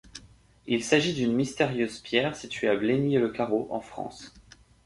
Il s'agit d'une mystérieuse pierre situé à Bleigny-le-Carreau, en France.